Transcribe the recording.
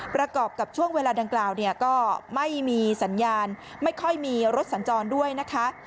ประกอบกับช่วงเวลาดังกล่าวเนี่ยก็ไม่มีสัญญาณไม่ค่อยมีรถสัญจรด้วยนะคะ